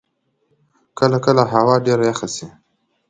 کله کله هوا ډېره یخه شی.